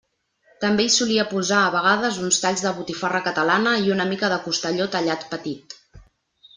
També hi solia posar a vegades uns talls de botifarra catalana i una mica de costelló tallat petit.